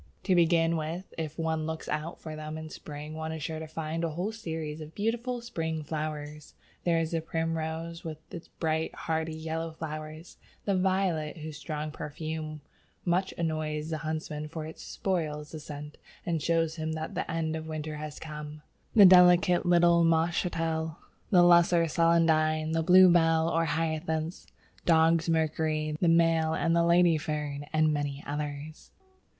To begin with, if one looks out for them in spring one is sure to find a whole series of beautiful spring flowers. There is the Primrose, with its bright, hardy, yellow flowers; the Violet, whose strong perfume much annoys the huntsman, for it spoils the "scent" and shows him that the end of winter has come; the delicate little Moschatel, the Lesser Celandine, the Bluebell or Hyacinth, Dog's Mercury, the Male and the Lady Fern, and many others.